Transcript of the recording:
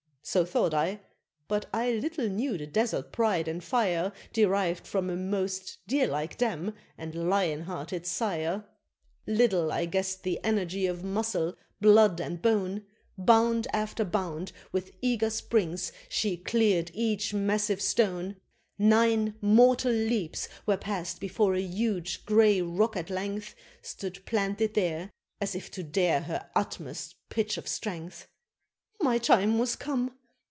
So thought I, but I little knew the desert pride and fire, Deriv'd from a most deer like dam, and lion hearted sire; Little I guess'd the energy of muscle, blood, and bone, Bound after bound, with eager springs, she clear'd each massive stone; Nine mortal leaps were pass'd before a huge gray rock at length Stood planted there as if to dare her utmost pitch of strength My time was come!